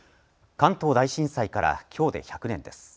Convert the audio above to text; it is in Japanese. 関東大震災からきょうで１００年です。